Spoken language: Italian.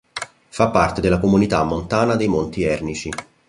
Fa parte della Comunità Montana dei Monti Ernici.